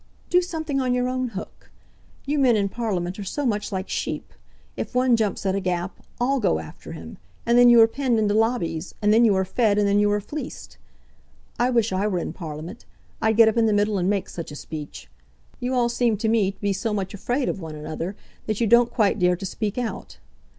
"Do something on your own hook. You men in Parliament are so much like sheep! If one jumps at a gap, all go after him, and then you are penned into lobbies, and then you are fed, and then you are fleeced. I wish I were in Parliament. I'd get up in the middle and make such a speech. You all seem to me to be so much afraid of one another that you don't quite dare to speak out.